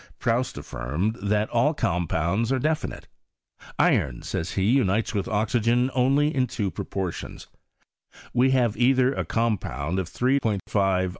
Proust affirmed that all compounds are defmite. Iron, says he, unites with oxygen only in two proportions ; we have either PROGRESS OF CHEMISTRY IN FRANCE.